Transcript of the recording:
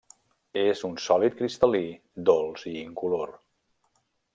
És un sòlid cristal·lí dolç i incolor.